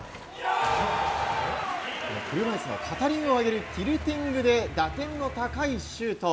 車いすの片輪を上げるティルティングで、打点の高いシュート。